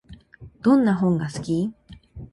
どんな本が好き？